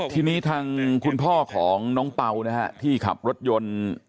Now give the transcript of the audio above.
ทีนี้ทางคุณพ่อของน้องเปล่านะฮะที่ขับรถยนต์